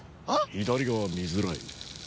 左側見づらい。